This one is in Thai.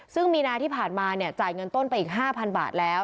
ซึ่งมีนาที่ผ่านมาเนี่ยจ่ายเงินต้นไปอีกห้าพันบาทแล้ว